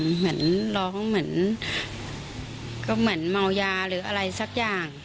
เหมือนร้องเหมือนก็เหมือนเมายาหรืออะไรสักอย่าง